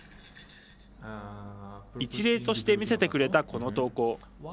一例として見せてくれたこの投稿。